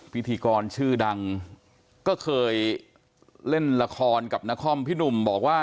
พิธีกรชื่อดังก็เคยเล่นละครกับนครพี่หนุ่มบอกว่า